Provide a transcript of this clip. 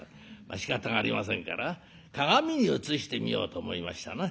しかたがありませんから鏡に映してみようと思いましたな。